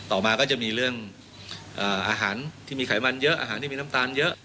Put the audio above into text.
ต่อมาก็จะมีเรื่องอาหารที่มีไขมันเยอะอาหารที่มีน้ำตาลเยอะ